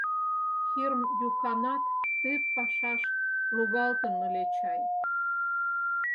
Хирм Юханат ты пашаш лугалтын ыле чай.